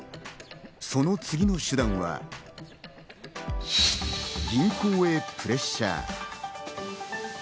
その次の手段は、銀行へプレッシャー。